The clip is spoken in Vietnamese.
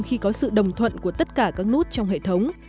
khi có sự đồng thuận của tất cả các nút trong hệ thống